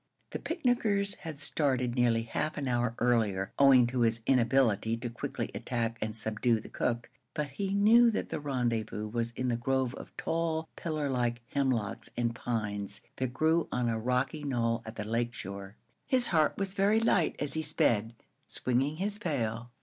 The picnickers had started nearly half an hour earlier, owing to his inability to quickly attack and subdue the cook, but he knew that the rendezvous was in the grove of tall, pillarlike hemlocks and pines that grew on a rocky knoll at the lake shore. His heart was very light as he sped, swinging his pail.